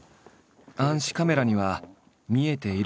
暗視カメラには見えているけれど